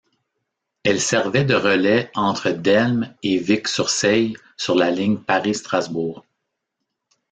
Elle servait de relais entre Delme et Vic-sur-Seille sur la ligne Paris-Strasbourg.